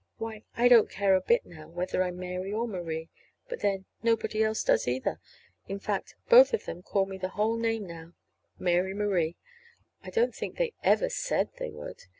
Why, I don't care a bit now whether I'm Mary or Marie. But, then, nobody else does, either. In fact, both of them call me the whole name now, Mary Marie. I don't think they ever said they would.